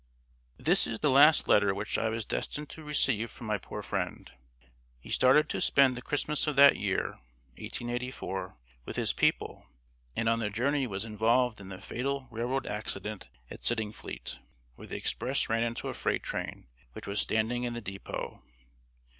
[This is the last letter which I was destined to receive from my poor friend. He started to spend the Christmas of that year (1884) with his people, and on the journey was involved in the fatal railroad accident at Sittingfleet, where the express ran into a freight train which was standing in the depot.